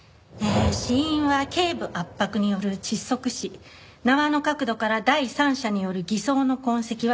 「死因は頸部圧迫による窒息死」「縄の角度から第三者による偽装の痕跡は認められず」